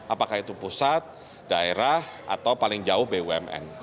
apakah itu pusat daerah atau paling jauh bumn